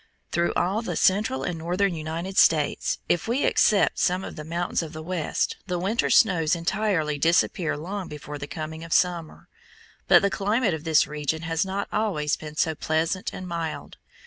Through all the central and northern United States, if we except some of the mountains of the West, the winter snows entirely disappear long before the coming of summer. But the climate of this region has not always been so pleasant and mild.